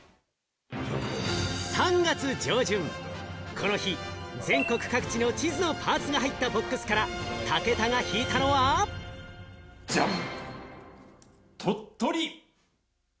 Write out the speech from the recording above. ３月上旬、この日、全国各地の地図のパーツが入ったボックスから武田が引いたのは。じゃん！